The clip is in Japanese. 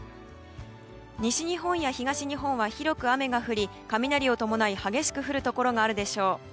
西日本や東日本は広く雨が降り雷を伴い、激しく降るところがあるでしょう。